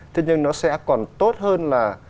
thế nhưng nó sẽ còn tốt hơn là